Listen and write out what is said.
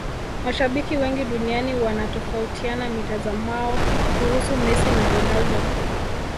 mashabiki wengi duniani wanatofautiana mitazamao kuhusu messi na ronaldo